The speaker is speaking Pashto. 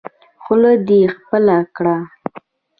خوله دې خپله کړه.